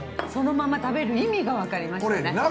そのまま食べる意味がわかりましたね。